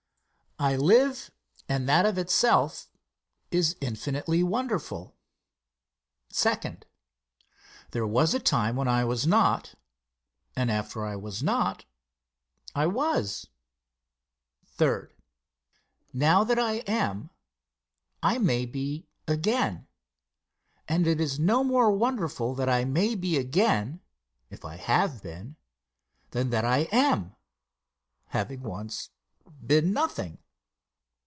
I live, and that of itself is infinitely wonderful. Second. There was a time when I was not, and after I was not, I was. Third. Now that I am, I may be again; and it is no more wonderful that I may be again, if I have been, than that I am, having once been nothing.